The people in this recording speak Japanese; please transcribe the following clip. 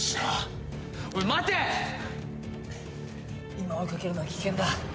今追い掛けるのは危険だ。